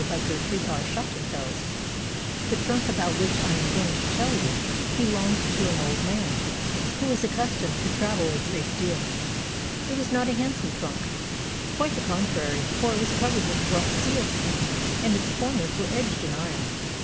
Li j:>''''' ''^ THE OLD TRUNK The trunk about which I am going to tell you, belonged to an old man, who was accustomed to travel a great deal. It was not a handsome trunk. Quite the contrary, for it was covered with rough seal skin, and its corners were edged in iron.